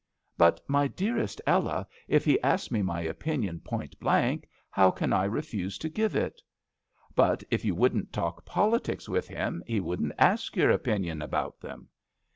" But, my dearest Ella, if he asks me my opinion point blank, how can I refuse to give it ?" "But if you wouldn't talk politics with him he wouldn't ask your opinion about them."